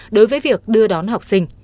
đối với việc đưa đón học sinh